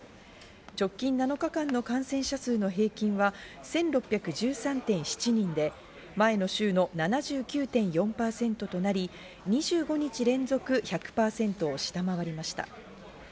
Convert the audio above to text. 直近７日間の感染者数の平均は１６１３．７人で前の週の７９．４％となり、２５日連続１００％を下回りました。